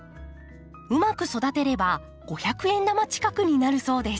うまく育てれば五百円玉近くになるそうです。